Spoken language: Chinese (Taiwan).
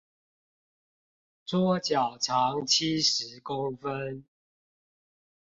桌腳長七十公分